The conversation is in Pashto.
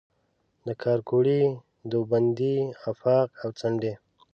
د کارکوړي، دوبندۍ آفاق او څنډي